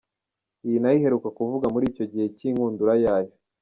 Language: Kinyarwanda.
Iyi nayo iheruka kuvugwa muri icyo gihe cy’inkundura yayo.